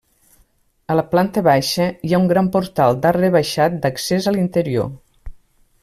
A la planta baixa hi ha un gran portal d'arc rebaixat d'accés a l'interior.